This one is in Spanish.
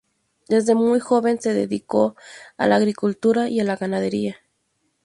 Desde muy joven, se dedicó a la agricultura y a la ganadería.